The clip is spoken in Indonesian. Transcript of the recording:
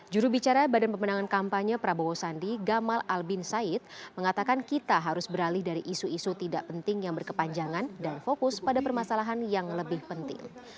jurubicara badan pemenangan kampanye prabowo sandi gamal albin said mengatakan kita harus beralih dari isu isu tidak penting yang berkepanjangan dan fokus pada permasalahan yang lebih penting